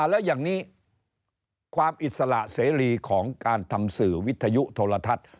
แล้วอย่างนี้ความอิสระเสรีของการทำสื่อวิทยุโทรทัศน์